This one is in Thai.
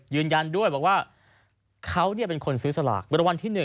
ยืนยันด้วยว่าเขาเป็นคนซื้อสลากรวรรวรรณที่๑